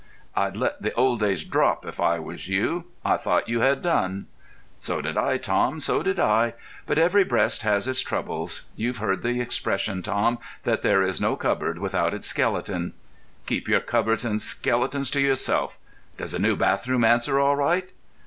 "I'd let the old days drop if I was you. I thought you had done." "So did I, Tom, so did I; but every breast has its troubles. You've heard the expression, Tom, that there is no cupboard without its skeleton?" "Keep your cupboards and skeletons to yourself.... Does the new bathroom answer all right?"